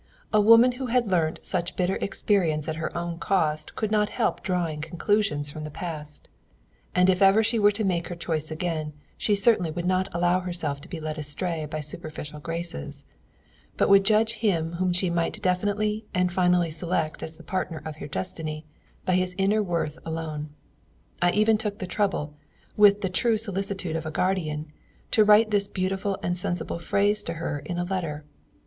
A woman who had learnt such bitter experience at her own cost could not help drawing conclusions from the past; and if ever she were to make her choice again she certainly would not allow herself to be led astray by superficial graces, but would judge him whom she might definitely and finally select as the partner of her destiny by his inner worth alone. I even took the trouble, with the true solicitude of a guardian, to write this beautiful and sensible phrase to her in a letter.